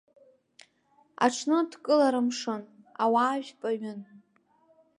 Аҽны дкылара мшын, ауаа жәпаҩын.